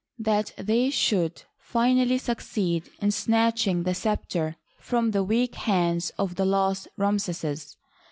that they should finally succeed in snatching the scepter from the weak hands of the last Ramses.